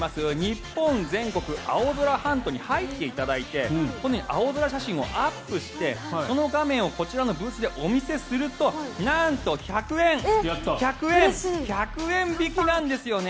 日本全国アオゾラハントに入っていただいてこのように青空写真をアップして、その画面をこちらのブースでお見せするとなんと１００円、１００円１００円引きなんですよね！